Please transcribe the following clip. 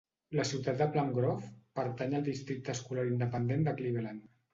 La ciutat de Plum Grove pertany al districte escolar independent de Cleveland.